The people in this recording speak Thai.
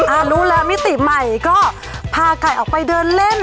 อาณุลูกก็พากิ๊กออกไปเดินเล่น